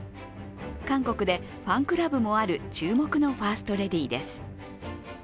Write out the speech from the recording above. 韓国でファンクラブもある注目のファーストレディーです。